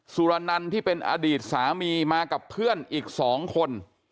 สุรนันที่เป็นอดีตสามีมากับเพื่อนอีก๒คน